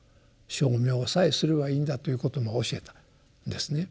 称名さえすればいいんだということも教えたんですね。